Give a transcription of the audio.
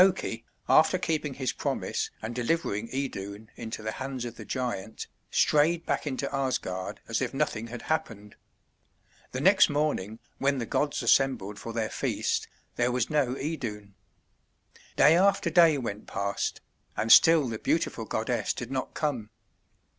Loki, after keeping his promise and delivering Idun into the hands of the giant, strayed back into Asgard as if nothing had happened. The next morning, when the gods assembled for their feast, there was no Idun. Day after day went past, and still the beautiful goddess did not come.